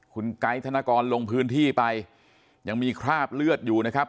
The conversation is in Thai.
คุณไกด์ธนกรลงพื้นที่ไปยังมีคราบเลือดอยู่นะครับ